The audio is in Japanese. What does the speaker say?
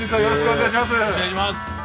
よろしくお願いします！